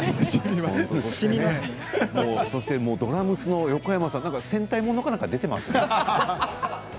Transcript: そしてドラムスの横山さん戦隊ものか何かに出ていますか？